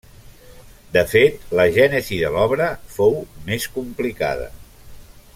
De fet la gènesi de l'obra fou més complicada.